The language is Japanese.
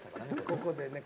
ここでね。